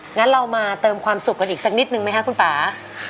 งั้นเรามาเติมความสุขกันอีกสักนิดนึงไหมคะคุณป่า